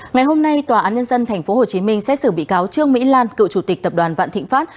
ngày hôm nay tòa án nhân dân tp hcm xét xử bị cáo trương mỹ lan cựu chủ tịch tập đoàn vạn thịnh pháp